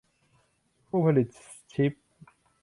ผู้ผลิตชิป